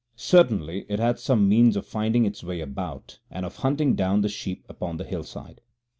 Certainly it had some means of finding its way about, and of hunting down the sheep upon the hillside.